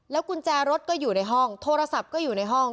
กุญแจรถก็อยู่ในห้องโทรศัพท์ก็อยู่ในห้อง